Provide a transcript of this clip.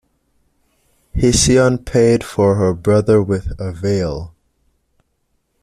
Hesione paid for her brother with a veil.